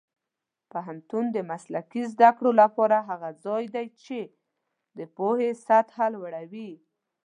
پوهنتون د مسلکي زده کړو لپاره هغه ځای دی چې د پوهې سطح لوړوي.